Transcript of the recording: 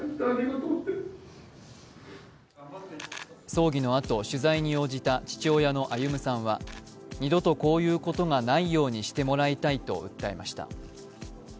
葬儀のあと、取材に応じた父親の歩さんは二度とこういうことがないようにしてもらいたいと訴えました。